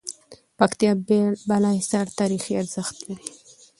پکتيا بالاحصار تاريخي ارزښت لری